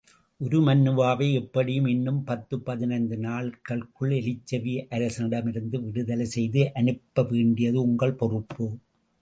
உருமண்ணுவாவை எப்படியும் இன்னும் பத்துப் பதினைந்து நாள்களுக்குள் எலிச்செவி அரசனிடமிருந்து விடுதலை செய்து அனுப்ப வேண்டியது உங்கள் பொறுப்பு.